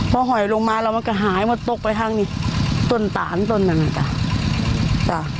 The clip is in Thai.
เพราะหอยลงมาแล้วมันก็หายมันตกไปทางนี้ต้นตานต้นแบบนั้นค่ะ